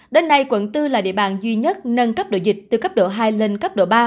đến nay quận bốn là địa bàn duy nhất nâng cấp đội dịch từ cấp độ hai lên cấp độ ba